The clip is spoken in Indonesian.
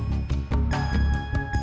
si diego udah mandi